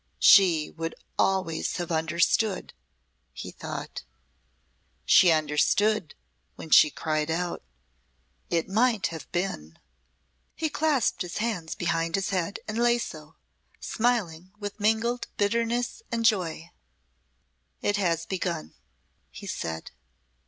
"She would always have understood," he thought. "She understood when she cried out, 'It might have been!'" He clasped his hands behind his head and lay so, smiling with mingled bitterness and joy. "It has begun!" he said.